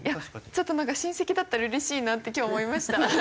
ちょっとなんか親戚だったら嬉しいなって今日思いました。